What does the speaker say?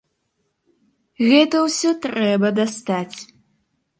Гэта ўсё трэба дастаць.